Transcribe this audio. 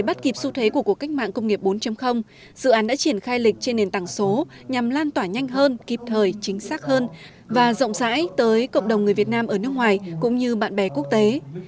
để bắt kịp xu thế của cuộc cách mạng công nghiệp bốn dự án đã triển khai lịch trên nền tảng số nhằm lan tỏa nhanh hơn kịp thời chính xác hơn và rộng rãi tới cộng đồng người việt nam ở nước ngoài cũng như bạn bè quốc tế